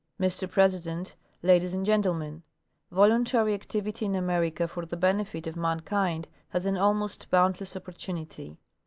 Mr President, Ladies and Gentlemen : Voluntary acti\'ity in America for the benefit of mankind has an almost boundless opportunity.